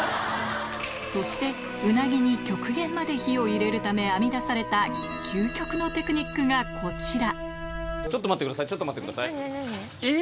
そしてうなぎに極限まで火を入れるため編み出された究極のテクニックがこちらえぇ！